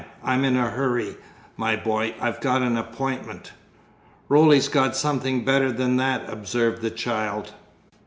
I'm in a hurry, my boy, I've got an appointment." "Roly's got something better than that," observed the child.